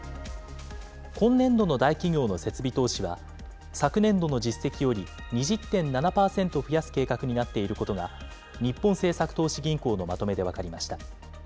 今年度の大企業の設備投資は、昨年度の実績より２０．７％増やす計画になっていることが、日本政策投資銀行のまとめで分かりました。